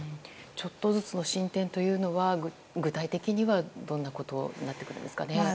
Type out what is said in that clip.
ちょっとずつの進展というのは具体的には、どんなことになってくるんですかね。